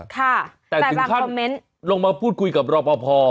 แต่ถึงขั้นลงมาพูดคุยกับเราพอ